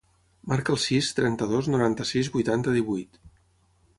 Marca el sis, trenta-dos, noranta-sis, vuitanta, divuit.